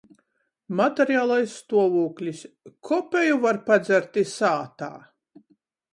Materialais stuovūklis - kopeju var padzert i sātā...